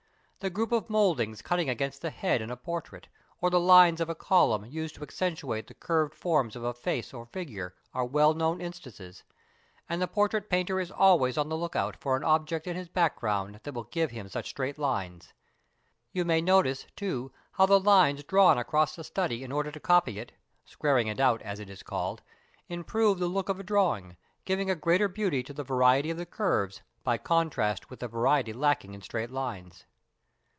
The group of mouldings cutting against the head in a portrait, or the lines of a column used to accentuate the curved forms of a face or figure, are well known instances; and the portrait painter is always on the look out for an object in his background that will give him such straight lines. You may notice, too, how the lines drawn across a study in order to copy it (squaring it out, as it is called) improve the look of a drawing, giving a greater beauty to the variety of the curves by contrast with the variety lacking in straight lines.